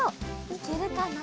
いけるかな？